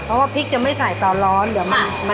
เพราะว่าพริกจะไม่ใส่ตอนร้อนเดี๋ยวมัน